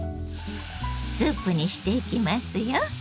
スープにしていきますよ。